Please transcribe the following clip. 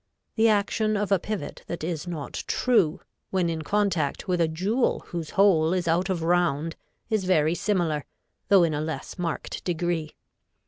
The action of a pivot that is not true, when in contact with a jewel whose hole is out of round, is very similar, though in a less marked degree.